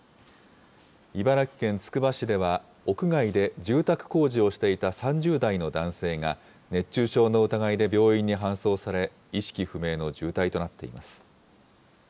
茨城県つくば市では屋外で住宅工事をしていた３０代の男性が熱中症の疑いで病院に搬送され、意識不明の重体となっています。